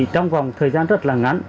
trong vòng thời gian rất là ngắn